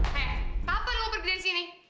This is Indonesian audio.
hei kapan lo pergi dari sini